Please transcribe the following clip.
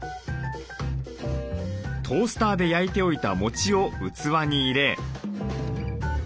トースターで焼いておいたもちを器に入れ。